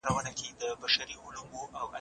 هغوی په کلي کې پلټنه کوي.